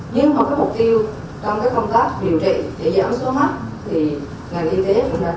nhưng mà mục tiêu trong các công tác điều trị để giảm số mắt thì hạng y tế cũng đã chuẩn bị